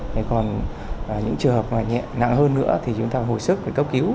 thế còn những trường hợp nhẹ nặng hơn nữa thì chúng ta hồi sức phải cấp cứu